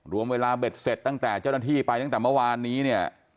รวมเวลาเบ็ดเสร็จตั้งแต่เจ้าหน้าที่ไปตั้งแต่เมื่อวานนี้เนี่ย